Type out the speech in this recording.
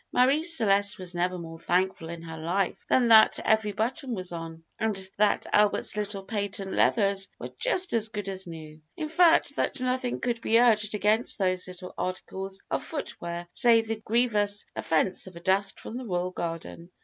Marie Celeste was never more thankful in her life than that every button was on, and that Albert's little patent leathers were just as good as new; in fact, that nothing could be urged against those little articles of foot wear save the grievous offence of dust from the royal garden.